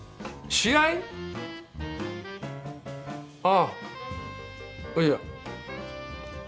ああいや。